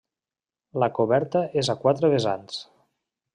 La coberta és a quatre vessants.